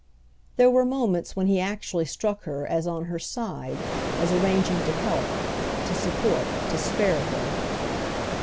There were moments when he actually struck her as on her side, as arranging to help, to support, to spare her.